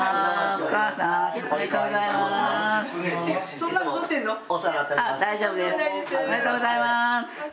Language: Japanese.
おめでとうございます。